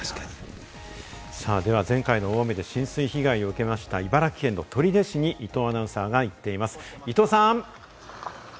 前回の大雨で浸水被害を受けた茨城県取手市に伊藤アナウンサーが行っています、伊藤さん。